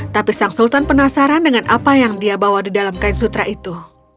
tapi sang sultan penasaran dengan apa yang dia bawa di dalam kain sutra itu